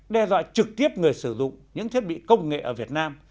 đe dọa trực tiếp người sử dụng những thiết bị công nghệ ở việt nam